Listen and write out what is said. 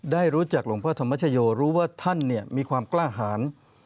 ได้รู้จักหลวงพ่อธรรมชโยรู้ว่าท่านมีความกล้าหาร